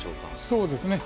そうですね。